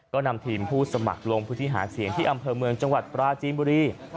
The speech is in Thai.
ก็นำทีมผู้สมัครลงพื้นที่หาเสียงที่อำเภอเมืองจังหวัดปราจีนบุรี